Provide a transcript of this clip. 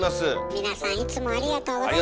皆さんいつもありがとうございます。